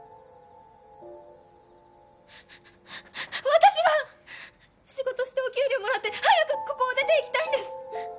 私は仕事してお給料もらって早くここを出ていきたいんです。